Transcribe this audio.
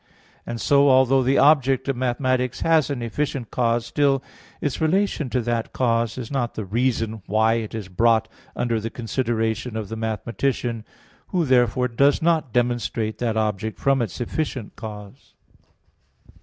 And so, although the object of mathematics has an efficient cause, still, its relation to that cause is not the reason why it is brought under the consideration of the mathematician, who therefore does not demonstrate that object from its efficient cause.